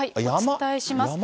お伝えします。